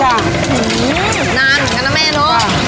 หื้อนั่นกันนะเม่เนอะ